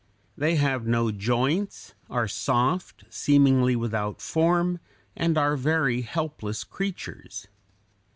They have no joints, are soft, seemingly without form, and are very helpless creatures.